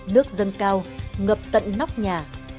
nước dân cao ngập tận nóc nhà